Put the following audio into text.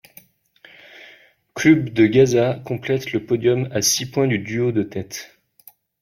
Clube de Gaza complète le podium à six points du duo de tête.